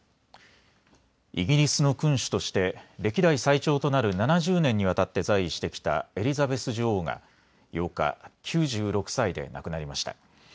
イギリスの君主として歴代最長となる７０年にわたって在位してきたエリザベス女王が８日、９６歳で亡くなりました。